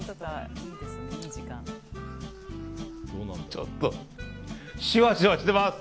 ちょっとシュワシュワしてます。